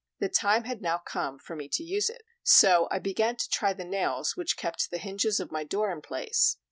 The time had now come for me to use it; so I began to try the nails which kept the hinges of my door in place.